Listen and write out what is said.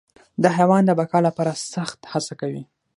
دا حیوان د بقا لپاره سخت هڅه کوي.